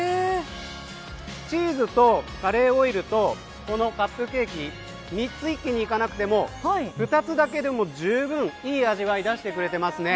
チーズとカレーオイルとカップケーキ、３つ一気にいかなくても２つだけでもじゅうぶんいい味わいを出してくれています。